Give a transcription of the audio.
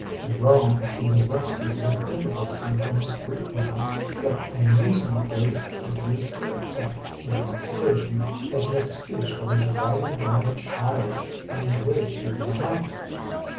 In Rome he was rescued with difficulty from a street mob that unreasonably refused to accept intoxication as an excuse for his riding down a child on his way to the hunt.